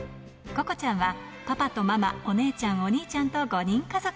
なんだ、ここちゃんはパパとママ、お姉ちゃん、お兄ちゃんと５人家族。